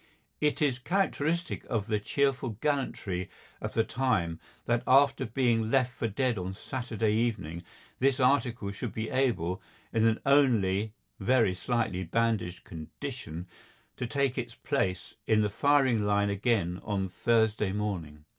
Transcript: It is characteristic of the cheerful gallantry of the time that after being left for dead on Saturday evening this article should be able, in an only very slightly bandaged condition, to take its place in the firing line again on Thursday morning.